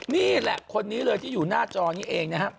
นี่แหละคนนี้เลยที่อยู่หน้าจอนี้เองนะครับ